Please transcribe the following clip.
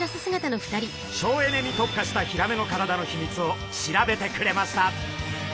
省エネに特化したヒラメの体のヒミツを調べてくれました！